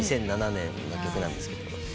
２００７年の曲なんですけど。